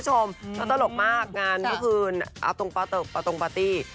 สนุกมากการเมื่อคืนอะตแล้วโตงปาร์ตี้